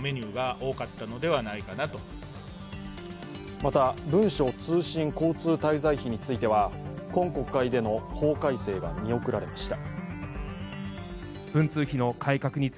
また、文書通信交通滞在費については今国会での法改正が見送られました。